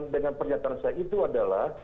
dengan pernyataan saya itu adalah